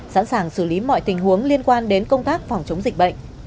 sẵn sàng xử lý mọi tình huống liên quan đến công tác phòng chống dịch bệnh